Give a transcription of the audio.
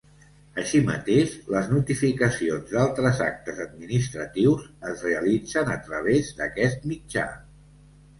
Així mateix, les notificacions d'altres actes administratius es realitzen a través d'aquest mitjà.